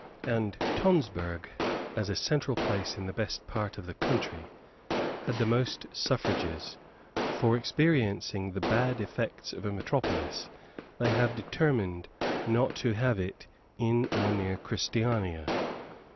And Tonsberg, as a central place in the best part of the country, had the most suffrages, for, experiencing the bad effects of a metropolis, they have determined not to have it in or near Christiania.